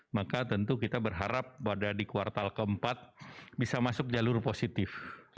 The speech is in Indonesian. maka tentu kita berharap pada di kuartal keempat bisa masuk jalur positif